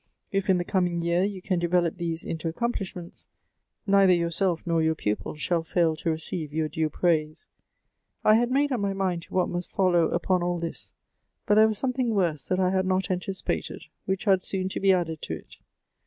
If in the coming year you can develop these into accomplishments, neither yourself nor your pupil shall fail to receive your due praise.' " I had made up my mind to what must follow upon all this: but there was something worse that I had not anticipated, which had soon to be added to it.